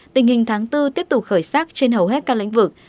tình hình tháng bốn tiếp tục khởi sắc trên hầu hết các lĩnh vực